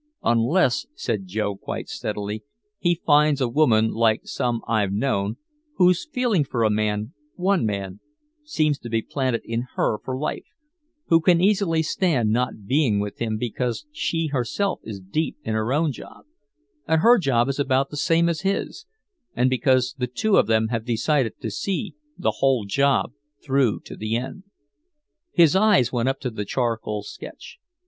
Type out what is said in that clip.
"Unless," said Joe, quite steadily, "he finds a woman like some I've known, whose feeling for a man, one man, seems to be planted in her for life who can easily stand not being with him because she herself is deep in her own job, and her job is about the same as his and because the two of them have decided to see the whole job through to the end." His eyes went up to the charcoal sketch.